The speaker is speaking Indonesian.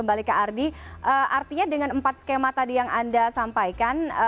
artinya dengan empat skema tadi yang anda sampaikan